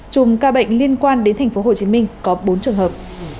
chùm ca bệnh liên quan đến tp hcm có bốn trường hợp